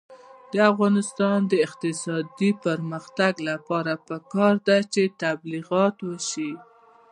د افغانستان د اقتصادي پرمختګ لپاره پکار ده چې تبلیغات وشي.